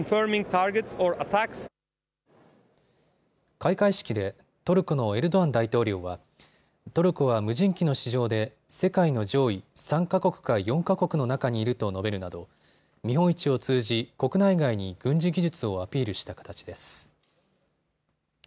開会式でトルコのエルドアン大統領はトルコは無人機の市場で世界の上位３か国か４か国の中にいると述べるなど見本市を通じ国内外に軍事技術をアピールした形です。